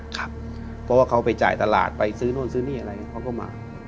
เพราะว่าเขาไปจ่ายตลาดไปซื้อนู่นซื้อนี่อะไรเขาก็มา